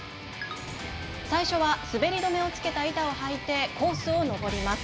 最初は、滑り止めを付けた板を履いてコースを登ります。